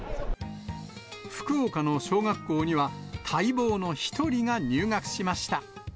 福岡の小学校には、待望の１人が入学しました。